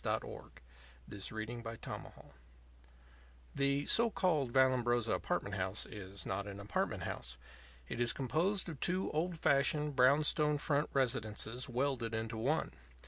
Roosevelt THE THIRD INGREDIENT The (so called) Vallambrosa Apartment House is not an apartment house. It is composed of two old fashioned, brownstone front residences welded into one.